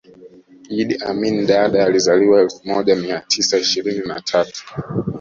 Idi Amin Dada alizaliwa elfu moja mia tisa ishirini na tatu